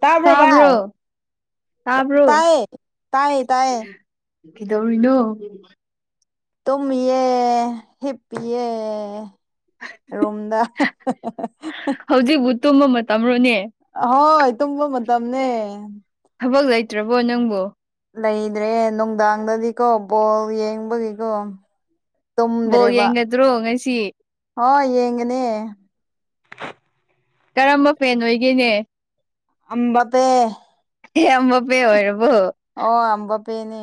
ꯇꯥꯔꯕꯚꯥꯏ ꯇꯥꯕ꯭ꯔꯣ ꯇꯥꯕ꯭ꯔꯣ ꯇꯥꯏ ꯇꯥꯏ ꯇꯥꯏꯌꯦ ꯀꯩꯗꯧꯔꯤꯅꯣ ꯇꯨꯝꯦ ꯍꯤꯞꯄꯑꯦ ꯔꯣꯝꯗ ꯍꯧꯖꯤꯛꯕꯨ ꯇꯨꯝꯕ ꯃꯇꯝꯔꯣꯅꯦ ꯍꯣꯏ ꯇꯨꯝꯕ ꯃꯇꯝꯅꯦ ꯊꯕꯛ ꯂꯩꯇ꯭ꯔꯕꯣ ꯅꯪꯕꯨ ꯂꯩꯗ꯭ꯔꯦ ꯅꯨꯡꯗꯥꯡꯗꯗꯤꯀꯣ ꯕꯣꯜ ꯌꯦꯡꯕꯒꯤꯀꯣ ꯕꯣ ꯌꯦꯡꯒꯗ꯭ꯔꯣ ꯉꯁꯤ ꯍ ꯌꯦꯒꯅꯦ ꯀꯔꯝꯕ ꯐꯦꯟ ꯑꯣꯏꯒꯦꯅꯦ ꯑꯝꯕꯗ ꯌꯥꯝꯝꯕ ꯄꯦ ꯑꯣꯏꯔꯕꯣ ꯑꯣ ꯑꯝꯕ ꯄꯦꯅꯦ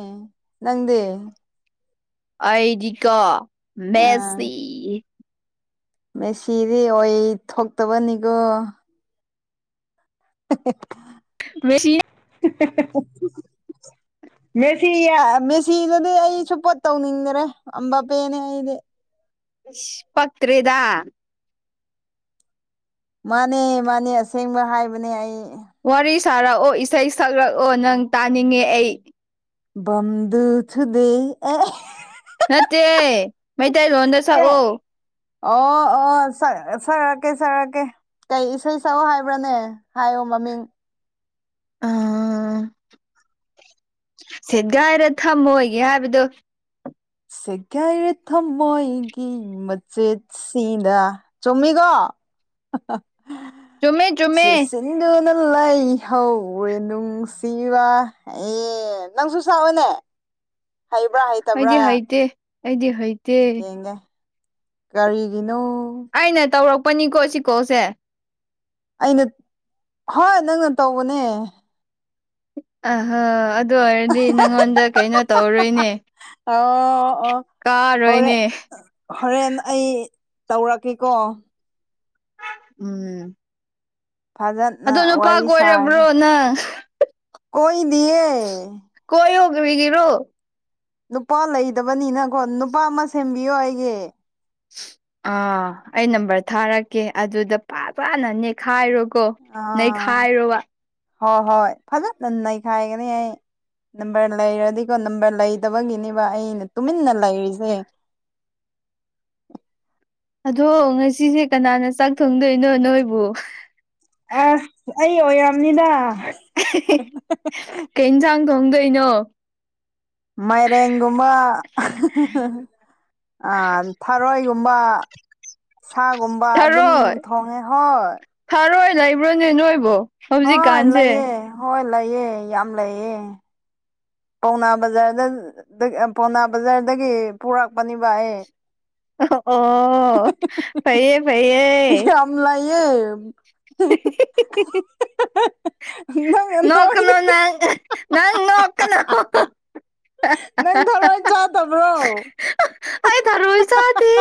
ꯅꯪꯗꯦ ꯑꯥꯏꯗꯤꯀꯥ ꯑꯥ ꯃꯦꯁꯤ ꯃꯦꯁꯤꯗꯤ ꯑꯣꯏ ꯊꯣꯛꯇꯕꯅꯤꯀꯣ ꯍꯥ ꯍꯥ ꯃ°ꯁꯤꯅ [inaudible] ꯃꯦꯁꯤ ꯃꯦꯁꯤꯗꯗꯤ ꯑꯩꯁꯨꯨꯄꯣꯠ ꯇꯧꯅꯤꯡꯗꯔꯦ ꯑꯝꯕꯄꯦꯅꯦ ꯑꯩꯗꯤ ꯄꯛ꯭ꯔꯔꯤꯗ ꯃꯥꯅꯦ ꯃꯥꯅꯦ ꯑꯁꯦꯡꯕ ꯍꯥꯏꯕꯅꯦ ꯑꯩ ꯋꯥꯔꯤ ꯁꯥꯔꯛꯑꯣ ꯏꯁꯩ ꯁꯛꯂꯛꯑꯣ ꯅꯪ ꯇꯥꯅꯤꯡꯉꯦ ꯑꯩ ꯝꯗꯁꯨꯗꯦ ꯅꯠꯇꯦ ꯃꯩꯇꯩꯂꯣꯟꯣꯟꯗ ꯁꯛꯎ ꯑꯣ ꯑꯣ ꯐꯔꯀꯦ ꯁꯔꯀꯦ ꯀꯩ ꯏꯁꯩ ꯁꯛꯎ ꯍꯥꯏꯕ꯭ꯔꯅꯦ ꯍꯥꯏꯌꯣ ꯃꯃꯤꯡ ꯎ ꯁꯦꯠ ꯀꯥꯏꯗ ꯊꯝꯃꯣꯏꯒꯦ ꯍꯥꯏꯕꯗꯣ ꯁꯦꯒꯥꯏꯔꯦ ꯊꯝꯃꯣꯏꯒꯤ ꯃꯆꯦꯠ ꯁꯤꯗ ꯆꯨꯝꯃꯤꯒꯣ ꯆꯨꯝꯃꯦ ꯆꯨꯝꯃꯦ ꯏꯗꯨꯅ ꯂꯩ ꯍꯧꯔꯦ ꯅꯨꯡꯁꯤꯕ ꯑꯦ ꯅꯪꯁꯨ ꯁꯥꯑꯣꯅꯦ ꯑꯩꯗꯤꯦ ꯍꯥꯏꯥꯏꯇ ꯑꯩꯗꯤꯦ ꯍꯥꯏꯇ ꯌꯦꯡꯒꯦ ꯀꯔꯤꯒꯤꯅꯣ ꯑꯩꯅ ꯇꯧꯔꯛꯄꯅꯤꯀꯣ ꯁꯤꯀꯣꯛꯁꯦ ꯑꯩꯅ ꯍꯣꯏ ꯅꯪꯅ ꯇꯧꯕꯅꯦ ꯑꯍꯣ ꯑꯗꯨ ꯑꯣꯏꯔꯗꯤ ꯅꯪꯉꯣꯟꯗ ꯀꯩꯅꯣ ꯇꯧꯔꯔꯣꯏꯅꯦ ꯑ ꯑꯣ ꯍꯣꯔꯦ ꯀꯥꯔꯣꯏꯅꯦ ꯍꯣꯔꯦꯟ ꯑꯩ ꯇꯧꯔꯛꯀꯦꯀꯣ ꯎꯝ ꯐꯖꯅ ꯑꯗꯣ ꯅꯨꯄꯥ ꯋꯥꯔꯤ ꯀ ꯁꯥꯔꯁꯦ ꯑꯣꯏꯔꯕ꯭ꯔꯣ ꯅꯪ ꯀꯣꯏꯗꯤꯌꯦ ꯀꯣꯏ ꯍꯧꯒ ꯃꯤꯒꯤꯔꯣ ꯅꯨꯄꯥ ꯂꯩꯗꯕꯅꯤꯅꯀꯣ ꯅꯨꯄꯥ ꯑꯃ ꯁꯦꯝꯕꯤꯌꯣ ꯑꯩꯒꯤ ꯑꯥ ꯑꯩ ꯅꯝꯕꯔ ꯊꯥꯔꯛꯀꯦ ꯑꯗꯨꯗ ꯄꯥꯛ ꯆꯥꯅ ꯅꯦꯛꯈꯥꯏꯔꯨ ꯑꯥ ꯍꯣꯏ ꯍꯣꯏ ꯐꯖꯠꯅꯟꯅꯩꯈꯥꯏꯒꯅꯤ ꯑꯩ ꯅꯝꯕꯔ ꯂꯩꯔꯗꯤꯀꯣ ꯅꯝꯕꯔ ꯂꯩꯇꯕꯒꯤꯅꯦꯕ ꯑꯩꯅ ꯇꯨꯃꯤꯟꯅ ꯂꯩꯔꯤꯁꯦ ꯑꯗꯣ ꯉꯁꯤꯁꯦ ꯀꯅꯥꯅ ꯆꯥꯛ ꯊꯣꯡꯗꯣꯏꯅꯣ ꯅꯣꯏꯕꯨ ꯑꯁ ꯑꯩ ꯑꯣꯏꯔꯝꯅꯤꯗ ꯀ ꯏꯟꯁꯥꯡ ꯊꯣꯡꯗꯣꯏꯅꯣ ꯃꯥꯏꯔꯦꯟꯒꯨꯝꯕ ꯊꯔꯣꯏꯒꯨꯝꯕ ꯁꯥꯒꯨꯝꯕ ꯑꯗꯨꯝ ꯊꯣꯡꯉꯦ ꯍꯣꯏ ꯐꯔꯣꯏ ꯂꯩꯕ꯭ꯔꯣꯅꯦ ꯅꯣꯏꯕꯣ ꯍꯣꯏ ꯍꯧꯖꯤꯛꯀꯥꯟꯁꯦ ꯂꯩꯌꯦ ꯍꯣꯏ ꯂꯩꯑ ꯌꯥꯝ ꯂꯩꯑꯦ ꯄꯥꯎꯅꯥ ꯕꯖꯥꯔꯗ ꯄꯥꯎꯅꯥ ꯕꯖꯥꯔꯗꯒꯤ ꯄꯨꯔꯛꯄꯅꯦꯕ ꯑꯩ ꯑꯣ ꯐꯩꯌꯦ ꯐꯩꯌꯦꯌꯦ ꯀꯝ ꯂꯌꯦ ꯅꯣꯀꯅꯣ ꯅ ꯅꯪ ꯅꯣꯀꯅꯣ ꯅꯪ ꯊꯋꯥꯏ ꯆꯥꯗꯕ꯭ꯔꯣ ꯑꯩ ꯊꯔꯣꯏ ꯆꯥꯗꯦ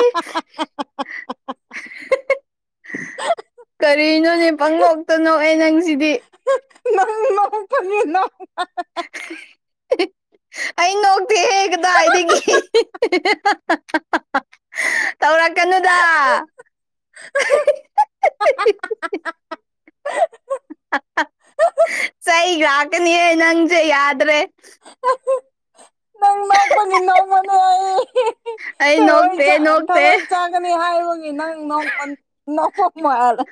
[inaudible] ꯀꯔꯤꯅꯣꯅꯦ ꯄꯪꯂꯣꯛꯇꯅꯣꯑ ꯅꯪꯁꯤꯗꯤ ꯂ ꯆꯣ [inaudible] ꯑꯩ ꯉꯣꯛꯇꯦꯍꯦ ꯀꯗꯥꯋꯥꯏꯗꯒꯤ ꯇꯧꯔꯛꯀꯅꯨꯗ ꯅꯪ ꯏꯁꯩ ꯉꯥꯛꯀꯅꯤꯍꯦ ꯅꯪꯁꯦ ꯌꯥꯗ꯭ꯔꯦ ꯅꯣꯛꯄꯒꯤ ꯅꯣꯛꯄꯅꯦ ꯑꯩ ꯑꯩ ꯅꯣ ꯊꯔꯣꯏ ꯊꯔꯣꯏ ꯆꯥꯒꯅꯤ ꯍꯥꯏꯕꯒꯤ ꯅꯪ ꯅꯣꯛꯐꯝ ꯃꯥꯂꯦ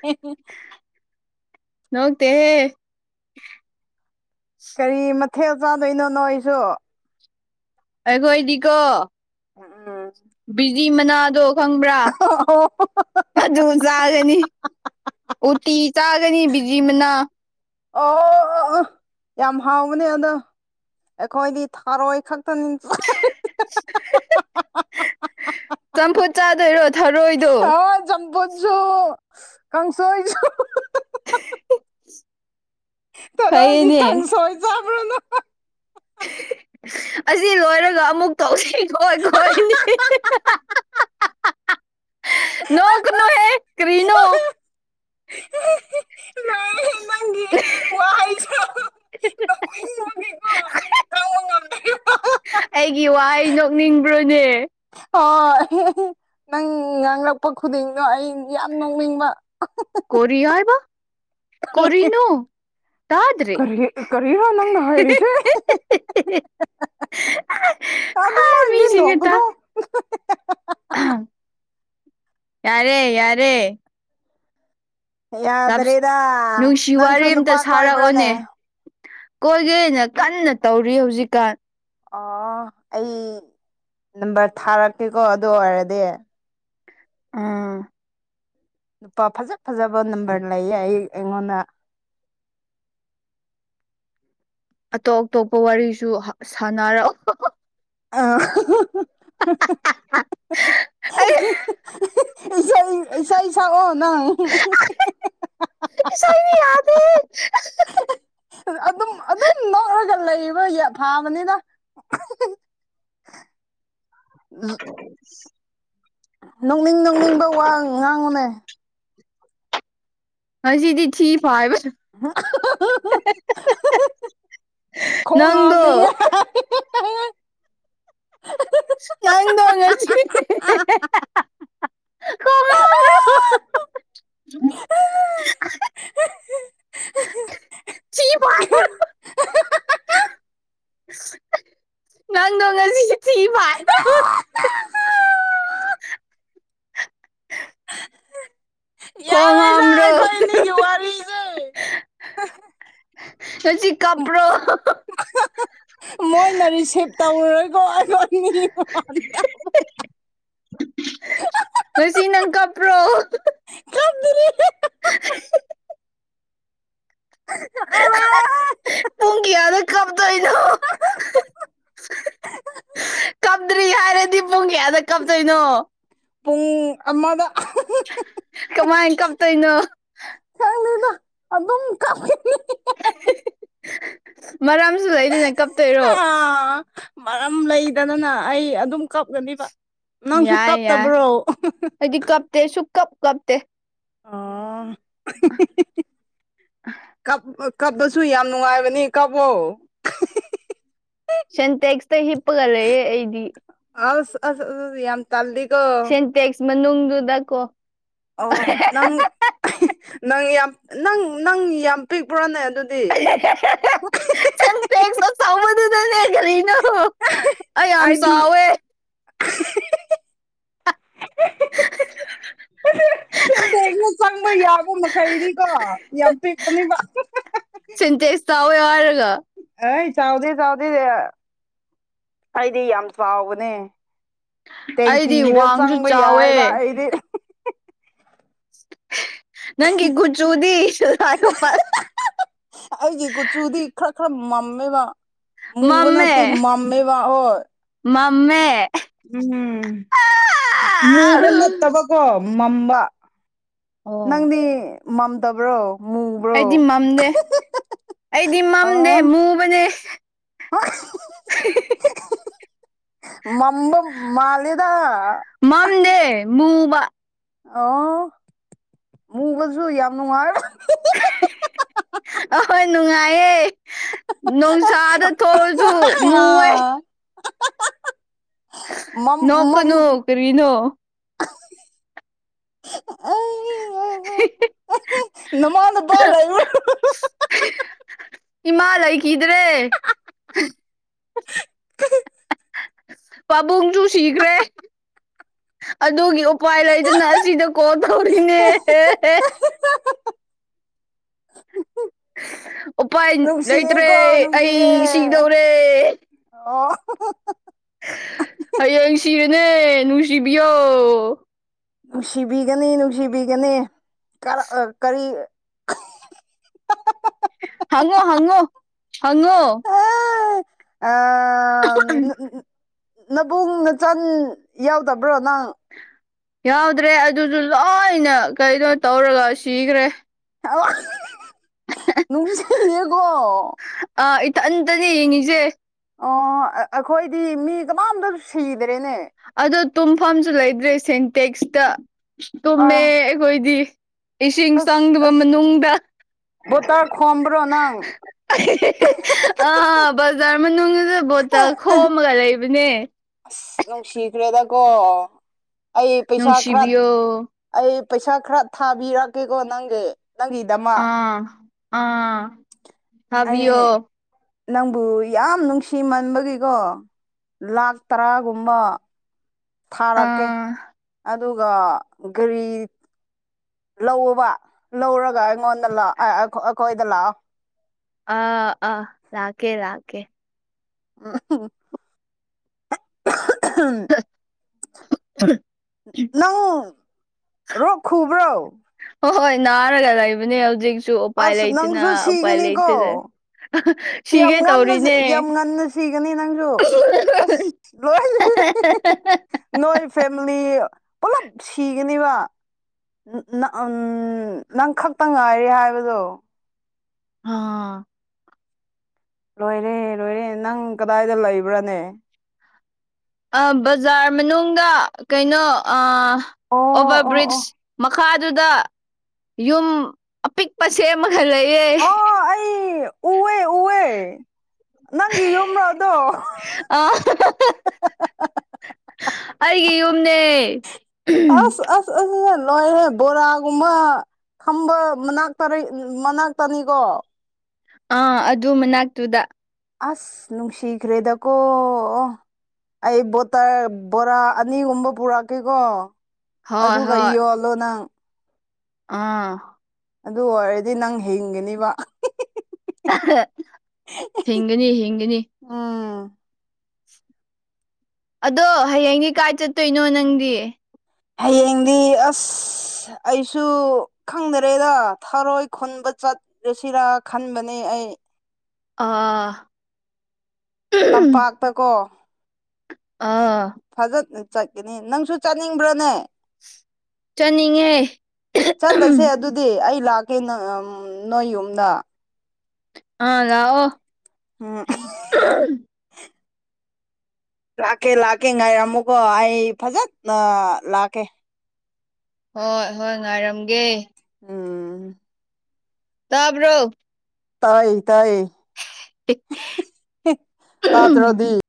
ꯅꯣꯇꯦ ꯀꯔꯤ ꯃꯊꯦꯜ ꯆꯥꯗꯣꯏꯅꯣꯅꯣ ꯑꯩꯁꯨ ꯑꯩꯈꯣꯏꯗꯤꯀꯣ ꯕꯤꯖꯤ ꯃꯅꯥꯗꯣ ꯈꯪꯕ꯭ꯔꯥ ꯑꯣ ꯍꯣ ꯑꯗꯨ ꯆꯥꯒꯅꯤ ꯎꯇꯤ ꯆꯥꯒꯅꯤ ꯕꯤꯖꯤ ꯃꯅꯥ ꯑꯣ ꯌꯥꯝ ꯍꯥꯎꯥꯎꯅꯦ ꯑꯗ ꯑꯩꯈꯣꯏꯗꯤ ꯊꯥꯔꯣꯏ ꯈꯛꯇꯅꯤ ꯆꯝꯐꯨ ꯆꯥꯗꯣꯏꯔꯣ ꯊꯔꯣꯏꯗꯣ ꯍ ꯆꯝꯄꯣ ꯆꯨ ꯀꯪ ꯁ ꯆ ꯎꯝ ꯇꯔꯣꯏꯒꯤ ꯀꯥꯡꯪꯁꯣꯏ ꯆꯥꯕ꯭ꯔꯅꯣ ꯑꯁꯤ ꯂꯣꯏꯔꯒ ꯑꯃꯨꯛ ꯇꯧꯁꯤ ꯈꯣꯏ ꯈꯣꯏꯅꯤ ꯅꯣꯡ ꯀꯅꯣ ꯍꯦ ꯀꯔꯤꯅꯣ ꯃ ꯍ ꯅꯪꯒꯤ ꯋꯥꯁꯨ ꯑꯩꯒꯤ ꯋꯥꯍꯩ ꯅꯣꯛꯅꯤꯡꯕ꯭ꯔꯣꯅꯦ ꯑꯣ ꯅꯪ ꯉꯂꯛꯄ ꯈꯨꯗꯤꯡꯗꯣ ꯑꯩ ꯌꯥꯝ ꯅꯣꯡꯅꯤꯡꯕ ꯀꯔꯤ ꯍꯥꯏꯕ ꯀꯅꯣ ꯀꯔꯤ ꯀꯔꯤꯅꯣ ꯅꯪꯅ ꯍꯥꯏꯔꯤꯁꯦ ꯀ ꯑꯥ ꯑꯗꯨꯃ ꯏꯗꯤ ꯃꯤꯁꯤꯡꯅ ꯅꯣꯛꯒꯅꯣ ꯌꯥꯔꯦ ꯌꯥꯔꯦ ꯌꯥꯗ꯭ꯔꯦꯗ ꯅꯨꯡꯁꯤ ꯋꯥꯔꯤ ꯅꯪꯁꯨ ꯑꯃꯝꯇ ꯅꯨꯄꯥ ꯀꯣꯏꯕ꯭ꯔꯥꯅꯦ ꯁꯥꯔꯛꯑꯣꯅꯦ ꯀꯣꯏꯒꯦꯅ ꯀꯟꯅ ꯇꯧꯔꯤ ꯍꯧꯖꯤꯛꯀꯥꯟ ꯑꯣ ꯑꯩ ꯅꯝꯕꯔ ꯊꯥꯔꯛꯀꯦꯀꯣ ꯑꯗꯨ ꯑꯣꯏꯔꯗꯤ ꯑꯥ ꯅꯨꯄꯥ ꯐꯖ ꯐꯖꯕ ꯅꯝꯕꯔ ꯂꯩꯌꯦ ꯑꯩ ꯑꯩꯉꯣꯟꯗ ꯑꯇꯣꯞ ꯑꯇꯣꯞꯄ ꯋꯥꯔꯤꯁꯨ ꯁꯥꯟꯅꯔꯛꯑꯣ ꯑ ꯏꯁꯩ ꯏꯁꯩ ꯁꯛꯑꯣ ꯅꯪ ꯄꯁꯥꯏ ꯃꯤ ꯌꯥꯗꯦ ꯂꯩꯔꯤꯕ ꯐꯥꯕꯅꯤꯅ ꯑꯣ ꯅꯣꯡꯅꯤꯡ ꯅꯣꯡꯅꯤꯡꯕ ꯋꯥ ꯉꯥꯡꯉꯨꯅꯦ ꯗꯤ ꯊꯐ ꯐꯥꯕ ꯈꯣꯡ ꯅꯪꯗꯣ ꯍꯥꯝꯅ ꯉꯪ ꯇꯣꯉꯁꯤ ꯊꯤ ꯐꯥꯏꯕ꯭ꯔꯣ ꯅꯪ ꯅꯣ ꯑ ꯌꯥꯔꯣꯏꯗ ꯈꯣꯡ꯭ꯔꯣ ꯑꯩꯈꯣꯏ ꯑꯅꯤꯒꯤ ꯋꯥꯔꯤꯁꯦ ꯍꯧꯖꯤ ꯀꯄ꯭ꯔꯣ ꯃꯣꯏꯅ ꯔꯤꯁꯤꯞ ꯇꯧꯔꯔꯣꯏꯀꯣ ꯑꯩꯉꯣꯟ ꯃꯤ ꯐ ꯇ ꯂꯨꯁꯤ ꯅꯪ ꯀꯞꯄ꯭ꯔꯣ ꯌꯥꯝꯗꯔꯤ ꯍ° ꯑ ꯍ ꯄꯨꯡꯒꯌꯥꯗ ꯀꯕꯗꯅ ꯀꯞꯇ꯭ꯔꯤ ꯍꯥꯏꯔꯗꯤ ꯄꯨꯡ ꯀꯌꯥꯗ ꯀꯞꯇꯣꯏꯅꯣ ꯄꯨꯡ ꯑꯃꯗ ꯀꯃꯥꯏ ꯀꯞꯇꯣꯏꯅꯣ ꯗ ꯑꯗꯨꯝ ꯀ ꯃꯥꯔꯝꯁꯨ ꯂꯩꯥꯏ ꯃꯔꯝ ꯂꯩꯗꯗꯅ ꯑꯩ ꯑꯗꯨꯝ ꯀꯥꯞꯒꯅꯤꯕ ꯅꯪꯁꯨ ꯀꯥꯞꯇꯕ꯭ꯔꯣ ꯑꯗꯨ ꯀꯞꯇꯦ ꯁꯨꯛ ꯀꯞ ꯀꯞꯇ ꯑꯣ ꯀ ꯀꯞꯄꯁꯨ ꯌꯥꯝ ꯅꯨꯡꯉꯥꯏꯕꯅꯤ ꯀꯛꯣ ꯁꯦꯟꯇꯦꯛꯁꯇ ꯍꯤꯄꯒꯂ ꯏꯗꯤ ꯑ ꯑ ꯌꯥꯝ ꯇꯜꯗꯤꯒꯣ ꯇꯦꯛꯁ ꯃꯅꯨꯡꯗꯨꯗ ꯀꯣ ꯑꯣ ꯅꯪ ꯅꯪ ꯌꯥꯝ ꯅꯪ ꯅꯪ ꯌꯥꯝ ꯄꯤꯛꯄ꯭ꯔꯣꯅꯦ ꯑꯗꯨꯗꯤ ꯑꯗꯨꯗꯅꯦ ꯀꯔꯤꯅꯣ ꯑꯩ ꯌꯥꯝ ꯑꯩꯗꯤ ꯆꯥꯎꯋꯦ [inaudible] [inaudible] ꯁꯦꯟꯗꯩꯗꯩ ꯆꯪꯕ ꯌꯥꯕ ꯃꯈꯩꯅꯤꯀꯣ ꯌꯥꯝ ꯄꯤꯛꯄꯅꯤꯕ ꯁꯦꯟꯇꯦꯁ ꯇꯥꯎꯋꯦ ꯍꯥꯏꯔꯒ ꯑꯩ ꯆꯥꯎꯗꯦ ꯆꯥꯎꯗꯦ ꯑꯩꯗꯤ ꯌꯥꯝ ꯆꯥꯎꯕꯅꯦ ꯑꯩꯗꯤ ꯇꯦꯡꯀꯤꯗ ꯋꯥꯡꯁꯨ ꯆꯪꯕ ꯆꯥꯎꯋꯦ ꯌꯥꯏꯕ ꯑꯩꯗꯤ ꯅꯪꯒꯤ ꯀꯨꯆꯨꯗꯤ ꯁꯤꯂꯥꯒ ꯃꯥꯜ ꯑꯩꯒꯤ ꯀꯨꯆꯨꯗꯤ ꯈꯔ ꯈꯔ ꯃꯝꯃꯦꯕ ꯃꯨꯡꯒꯅꯗꯤ ꯃꯥꯝꯃꯦꯕꯥꯍ ꯃꯃꯦ ꯎꯝ ꯃꯨꯕ ꯅꯠꯇꯕꯀꯣ ꯃꯝꯕ ꯑꯣ ꯅꯪꯗꯤ ꯃꯝꯗꯕ꯭ꯔꯣ ꯃꯨꯕ꯭ꯔꯣ ꯑꯩꯗꯤ ꯃꯝꯗꯦ ꯑꯩꯗꯤ ꯃꯝꯗꯦ ꯑꯣ ꯃꯨꯛ ꯃ ꯃꯝꯕ ꯃꯥꯗ ꯃꯝꯅꯦ ꯃꯨꯕ ꯑꯣ ꯃꯨꯒꯁꯨ ꯌꯥꯝ ꯅꯨꯡꯉꯥꯏꯔ ꯑꯍꯣꯏ ꯅꯨꯡꯉꯥꯏꯌꯦ ꯅꯨꯡꯁꯥꯗ ꯊꯣꯛꯑꯁꯨ ꯃꯣꯏ ꯃꯝ ꯅ ꯀ ꯃꯝ ꯅꯧ ꯀꯔꯤꯅꯣ ꯍ ꯅꯃꯥꯗ ꯍ ꯂꯩ ꯏꯃꯥ ꯂꯩꯈꯤꯗ꯭ꯔꯦ ꯄꯥꯕꯨꯡꯁꯨ ꯁꯤꯈ꯭ꯔꯦ ꯑꯗꯨꯒꯤ ꯎꯄꯥꯏ ꯂꯩꯗꯅ ꯑꯁꯤꯗ ꯀꯣꯜ ꯇꯧꯔꯤꯅꯦ ꯎꯄꯥꯏ ꯂꯩꯇ꯭ꯔꯦ ꯅꯨꯡꯁꯤꯌꯦꯀꯣ ꯅꯨꯡꯁꯤꯌꯦ ꯑꯩ ꯁꯤꯗꯧꯔꯦ ꯑꯣ ꯍꯌꯦꯡ ꯁꯤꯔꯅꯦ ꯅꯨꯡꯁꯤꯕꯤꯌꯣ ꯅꯨꯡꯁꯤꯕꯤꯒꯅꯤ ꯅꯨꯡꯁꯤꯕꯤꯒꯅꯤ ꯀꯔꯤ ꯍꯉꯣ ꯍꯪꯉꯣ ꯍꯉꯣ ꯅꯕꯨꯡ ꯅꯆꯟ ꯌꯥꯎꯗꯕ꯭ꯔꯣ ꯅꯪ ꯌꯥꯎꯗ꯭ꯔꯦ ꯑꯗꯨꯁꯨ ꯂꯣꯏꯅ ꯀꯩꯅꯣ ꯇꯧꯔꯒ ꯁꯤꯈ꯭ꯔꯦ ꯍ ꯅꯅꯨꯡꯗꯤꯁꯦꯀꯣ ꯑꯥ ꯏꯊꯟꯇꯅꯦ ꯌꯦꯡꯉꯁꯦ ꯑꯣ ꯑꯩꯈꯣꯏꯗꯤ ꯃꯤ ꯀꯃꯝꯇ ꯁꯤꯗ꯭ꯔꯦꯅꯦ ꯑꯗꯣ ꯇꯨꯝꯐꯝꯁꯨ ꯂꯩꯇ꯭ꯔꯦ ꯁꯦꯟꯇꯦꯛꯁꯇ ꯑ ꯇꯨꯝꯃꯦ ꯑꯩꯈꯣꯏꯗꯤ ꯏꯁꯤꯡ ꯆꯪꯗꯕ ꯃꯅꯨꯡꯗ ꯕꯣꯠꯇꯜ ꯈꯣꯝꯕꯔꯣ ꯅꯪ ꯑꯥꯥ ꯕꯖꯥꯔ ꯃꯅꯨꯡꯁꯤꯗ ꯕꯣꯠꯇꯜ ꯈꯣꯝꯃꯒ ꯂꯩꯕꯅꯦ ꯑꯁ ꯅꯨꯡꯁꯤꯈ꯭ꯔꯦꯗꯀꯣ ꯑꯩ ꯄꯩꯁꯥ ꯈꯔ ꯅꯨꯡꯁꯤꯕꯤꯌꯣ ꯑꯩ ꯄꯩꯁꯥ ꯈꯔ ꯊꯥꯕꯤꯔꯛꯀꯦꯀꯣ ꯅꯪꯒꯤ ꯅꯪꯒꯤꯗꯃꯛ ꯑꯥ ꯑꯥ ꯊꯥꯕꯤꯌꯣ ꯑꯩ ꯅꯪꯕꯨ ꯌꯥꯝ ꯅꯨꯡꯁꯤꯃꯟꯕꯒꯤꯀꯣ ꯂꯥꯛ ꯇꯔꯥꯒꯨꯝꯕ ꯊꯥꯔꯛꯀꯦ ꯑꯥ ꯑꯗꯨꯒ ꯒꯥꯔꯤ ꯂꯧꯕ ꯂꯧꯔꯒ ꯑꯩꯉꯣꯟꯗ ꯂꯥꯛ ꯑꯩꯈꯣꯏꯗ ꯂꯥꯛꯑꯣ ꯑ ꯑꯥ ꯂꯥꯛꯀꯦ ꯂꯥꯛꯀꯦ ꯎꯝ ꯎꯝ ꯎꯝ ꯅꯪ ꯂꯣꯛ ꯈꯨꯕ꯭ꯔꯣ ꯍꯣꯏ ꯍꯣꯏ ꯅꯥꯔꯒ ꯂꯩꯕꯅꯦ ꯍꯧꯖꯤꯛꯁꯨ ꯎꯄꯥꯏ ꯑꯁ ꯂꯩꯇꯅ ꯅꯪꯁꯨ ꯎꯄꯥꯏ ꯂꯩꯇꯦ ꯁꯤꯒꯅꯤꯀꯣ ꯑ ꯌꯥꯝ ꯉꯟꯅ ꯌꯥꯝ ꯉꯟꯅ ꯁꯤꯒꯅꯤ ꯅꯪꯁꯨ ꯑꯁ ꯂꯣꯏ ꯅꯣꯏ ꯐꯦꯃꯤꯂꯤ ꯄꯨꯂꯞ ꯁꯤꯒꯅꯦꯕ ꯎꯝ ꯅꯪ ꯈꯛꯇ ꯉꯥꯏꯔꯦ ꯍꯥꯏꯕꯗꯣ ꯍꯥꯥ ꯂꯣꯏꯔꯦ ꯂꯣꯏꯔꯦ ꯅꯪ ꯀꯗꯥꯏꯗ ꯂꯩꯕ꯭ꯔꯅꯦ ꯕꯖꯥꯔ ꯃꯅꯨꯡꯗ ꯀꯩꯅꯣ ꯑꯣ ꯑꯣꯚꯔ ꯑꯣ ꯕ꯭ꯔꯤꯖ ꯑꯣ ꯃꯈꯥ ꯃꯈꯥꯗꯨꯗ ꯌꯨꯝ ꯑꯄꯤꯛꯄ ꯁꯦꯝꯃꯒ ꯂꯩꯑꯦ ꯎꯍꯦ ꯎꯍꯦ ꯅꯪꯒꯤ ꯌꯨꯝꯔꯣ ꯑꯗꯣ ꯑ ꯑꯩꯒꯤ ꯌꯨꯝꯅꯦ ꯑꯁ ꯑꯁ ꯑꯁ ꯑ ꯂꯣꯏꯔꯦ ꯕꯣꯔꯥꯒꯨꯝꯃ ꯈꯝꯕ ꯃꯅꯥꯛꯇ ꯃꯅꯥꯛꯇꯅꯤꯀꯣ ꯑꯥ ꯑꯗꯨ ꯃꯅꯥꯛꯇꯨꯗ ꯑꯁ ꯅꯨꯡꯁꯤꯈ꯭ꯔꯦꯗꯀꯣ ꯑꯩ ꯕꯣꯠꯇꯜ ꯕꯣꯔꯥ ꯑꯅꯤꯒꯨꯝꯕ ꯄꯨꯔꯛꯀꯦꯀꯣ ꯍꯣꯏ ꯑꯗꯨꯒ ꯍꯣꯏ ꯌꯣꯜꯂꯣ ꯅꯪ ꯑꯥ ꯑꯗꯨ ꯑꯣꯏꯔꯗꯤ ꯅꯪ ꯍꯤꯡꯒꯅꯤꯕ ꯍꯤꯡꯒꯅꯤ ꯍꯤꯡꯒꯅꯤ ꯎꯝ ꯑꯗꯣ ꯍꯌꯦꯡꯗꯤ ꯀꯥꯏ ꯆꯠꯇꯣꯏꯅꯣ ꯅꯪꯗꯤ ꯍꯌꯦꯡꯗꯤ ꯑꯁ ꯑꯩꯁꯨ ꯈꯪꯗꯔꯦꯗ ꯊꯔꯣꯏ ꯈꯨꯟꯕ ꯆꯠ ꯂꯨꯁꯤꯔ ꯈꯟꯕꯅꯦ ꯑꯩ ꯑꯥ ꯎꯝ ꯇꯝꯄꯥꯛꯇ ꯀꯣ ꯑꯥ ꯐꯖ ꯆꯠꯀꯅꯤ ꯅꯪꯁꯨ ꯆꯠꯅꯤꯡꯕ꯭ꯔꯅꯦ ꯆꯠꯅꯤꯡꯉꯦ ꯆꯠꯂꯁꯦ ꯑꯗꯨꯗꯤ ꯑꯩ ꯂꯥꯛꯀꯦ ꯅꯣꯏ ꯌꯨꯝꯅ ꯑꯥ ꯂꯥꯛꯑꯣ ꯎꯝ ꯂꯥꯛꯀꯦ ꯂꯥꯛꯀꯦ ꯉꯥꯏꯔꯝꯃꯨꯀꯣ ꯑꯩ ꯐꯖꯅ ꯂꯥꯛꯀꯦ ꯍꯣꯏ ꯍꯣꯏ ꯉꯥꯏꯔꯝꯒꯦ ꯑꯥ ꯇꯥꯕ꯭ꯔꯣ ꯇꯥꯏ ꯇꯥꯏ ꯇ ꯆꯅꯗꯤ